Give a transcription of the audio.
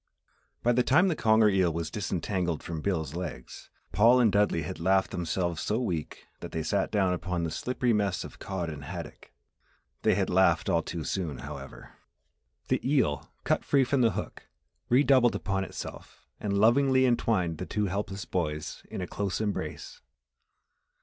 By the time the conger eel was disentangled from Bill's legs, Paul and Dudley had laughed themselves so weak that they sat down upon the slippery mess of cod and haddock. They had laughed all too soon, however! The eel, cut free from the hook, redoubled upon itself and lovingly entwined the two helpless boys in a close embrace.